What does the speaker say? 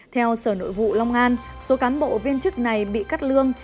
theo sở nội vụ long an số cán bộ viên chức này bị cắt lương